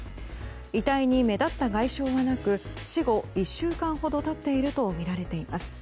遺体に目立った外傷はなく死後１週間ほど経っているとみられています。